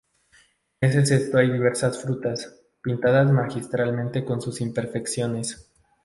En este cesto hay diversas frutas, pintadas magistralmente con sus imperfecciones.